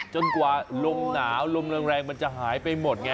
กว่าลมหนาวลมแรงมันจะหายไปหมดไง